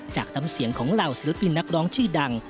จากน้ำเสียงของเหล่าศิลปินนักร้องชื่อดัง